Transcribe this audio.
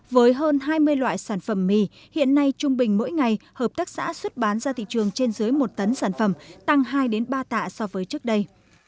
với hơn hai mươi loại sản phẩm mì hiện nay trung bình mỗi ngày hợp tác xã xuất bán ra thị trường trên dưới một tấn sản phẩm tăng hai ba tạ so với trước đây